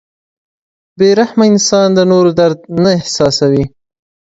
• بې رحمه انسان د نورو درد نه احساسوي.